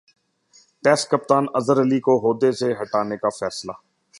test کپتان اظہرعلی کو عہدہ سےہٹانےکا فیصلہ